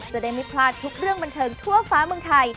จะได้ไม่พลาดทุกเรื่องบันเทิงทั่วฟ้าเมืองไทย